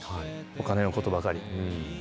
お金のことばかり。